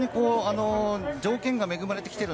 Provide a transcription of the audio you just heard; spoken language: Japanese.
条件が恵まれてきている。